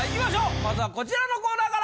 まずはこちらのコーナーから！